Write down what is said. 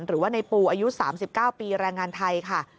หรือว่าในปูอายุ๓๙ปีแรงงานไทยค่ะ